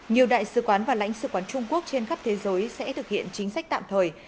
nhiều đại sứ quán và lãnh sự quán trung quốc trên khắp thế giới sẽ thực hiện chính sách tạm thời